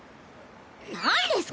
なんですか！